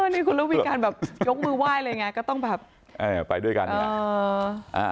นี่คุณระวีการแบบยกมือไหว้เลยไงก็ต้องแบบไปด้วยกันไง